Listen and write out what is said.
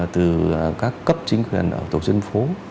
từ các cấp chính quyền ở tổ dân phố